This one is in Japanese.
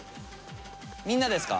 みんなですか？